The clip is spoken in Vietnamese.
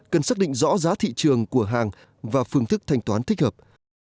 cần xác định rõ giá thị trường của hàng và phương thức thanh toán thích hợp